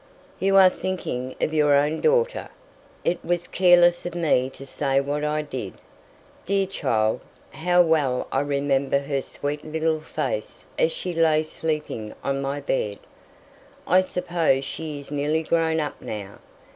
"You are thinking of your own daughter. It was careless of me to say what I did. Dear child! how well I remember her sweet little face as she lay sleeping on my bed. I suppose she is nearly grown up now.